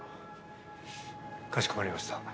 かしこまりました。